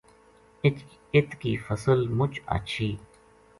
اِت کی فصل مچ ہچھی